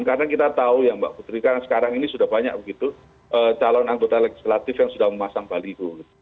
karena kita tahu ya mbak putri karena sekarang ini sudah banyak begitu calon anggota legislatif yang sudah memasang baliho